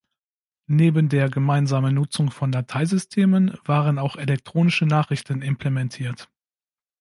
Neben der gemeinsamen Nutzung von Dateisystemen waren auch elektronische Nachrichten implementiert.